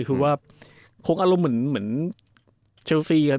คือว่าคงอารมณ์เหมือนเชลซีครับ